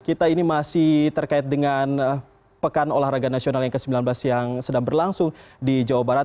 kita ini masih terkait dengan pekan olahraga nasional yang ke sembilan belas yang sedang berlangsung di jawa barat